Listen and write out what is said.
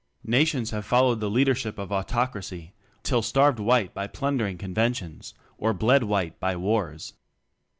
Nations have followed the leader ship of Autocracy till starved white by plundering conventions or bled white by wars.